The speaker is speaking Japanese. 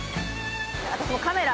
私もカメラ。